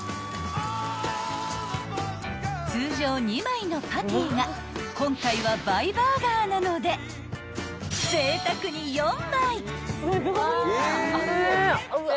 ［通常２枚のパティが今回は倍バーガーなのでぜいたくに４枚］